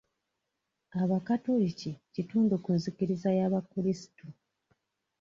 Abakatoliki kitundu ku nzikiriza y'abakulisitu.